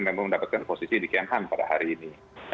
memang mendapatkan posisi di kemhan pada hari ini